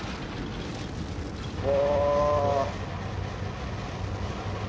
お！